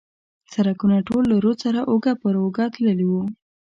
سړکونه ټول له رود سره اوږه پر اوږه تللي و.